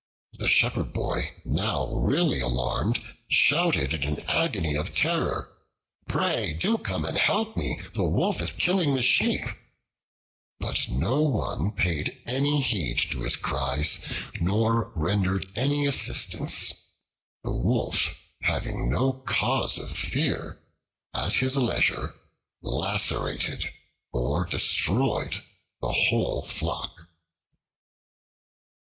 The Shepherd boy, now really alarmed, shouted in an agony of terror: "Pray, do come and help me; the Wolf is killing the sheep;" but no one paid any heed to his cries, nor rendered any assistance. The Wolf, having no cause of fear, at his leisure lacerated or destroyed the whole flock.